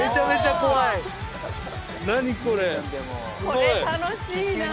これ楽しいな。